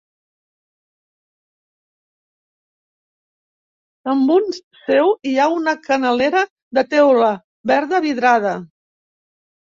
Damunt seu hi ha una canalera de teula verda vidrada.